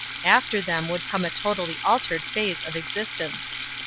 After them would come a totally altered phase of existence.